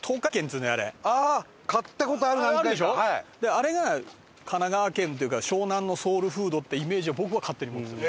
あれが神奈川県っていうか湘南のソウルフードってイメージを僕は勝手に持ってる。